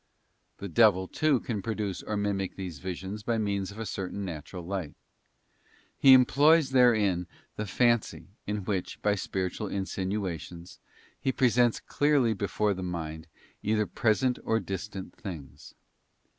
The devil, too, can produce or mimic these visions by means of a certain natural light. He employs therein the fancy, in which, by spiritual insinuations, he "presents clearly before the mind either present or distant things.